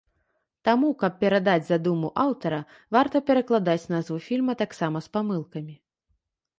Таму, каб перадаць задуму аўтара, варта перакладаць назву фільма таксама з памылкамі.